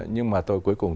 nhưng mà tôi cuối cùng